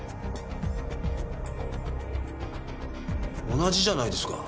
同じじゃないですか。